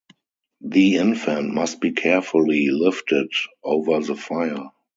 The infant must be carefully lifted over the fire.